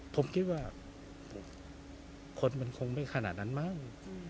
ผมคิดว่าคนมันคงไม่ขนาดนั้นมั้ง